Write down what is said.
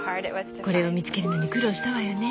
これを見つけるのに苦労したわよね。